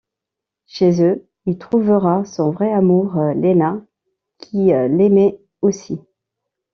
Chez eux, il trouvera son vrai amour Lena qui l'aimait aussi.